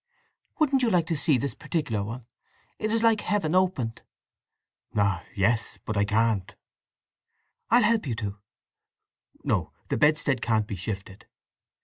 "Wouldn't you like to see this particular one? It is like heaven opened." "Ah yes! But I can't." "I'll help you to." "No—the bedstead can't be shifted."